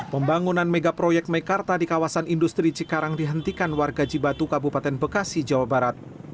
pembangunan megaproyek mekarta di kawasan industri cikarang dihentikan warga cibatu kabupaten bekasi jawa barat